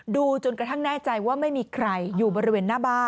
ดูจนกระทั่งแน่ใจว่าไม่มีใครอยู่บริเวณหน้าบ้าน